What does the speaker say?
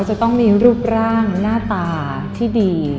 จะต้องมีรูปร่างหน้าตาที่ดี